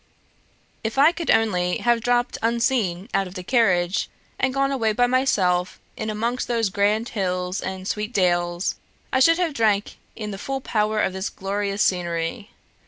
"If I could only have dropped unseen out of the carriage, and gone away by myself in amongst those grand hills and sweet dales, I should have drank in the full power of this glorious scenery.